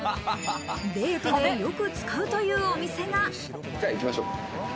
デートでよく使うというお店が。